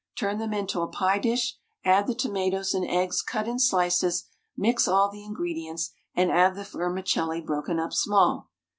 Turn them into a pie dish, add the tomatoes and eggs cut in slices, mix all the ingredients, and add the vermicelli broken up small.